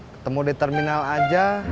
ketemu di terminal aja